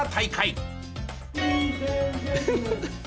フフフッ。